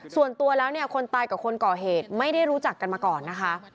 ส่วนตัวแล้วเนี่ยคนตายกับคนก่อเหตุไม่ได้รู้จักกันมาก่อนนะคะ